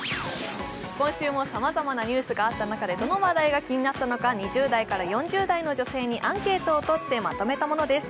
今週もさまざまなニュースがあった中でどの話題が気になったのか２０代から４０代の女性にアンケートを取ってまとめたものです。